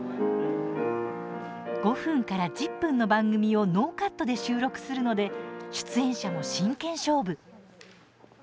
５分から１０分の番組をノーカットで収録するので出演者も真剣勝負。